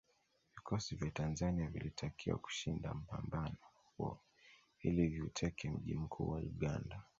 Vikosi vya Tanzania vilitakiwa kushinda mpambano huo ili viuteke mji mkuu wa Uganda